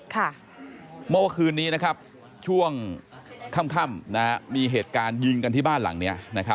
เมื่อคืนนี้นะครับช่วงค่ำมีเหตุการณ์ยิงกันที่บ้านหลังนี้